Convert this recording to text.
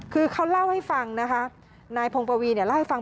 คือเขาเล่าให้ฟังนะคะนายพงปวีเนี่ยเล่าให้ฟัง